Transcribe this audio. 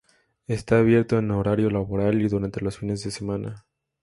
Está abierto en horario laboral y durante los fines de semana.